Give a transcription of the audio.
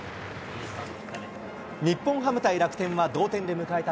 日本ハム対楽天は、同点で迎えた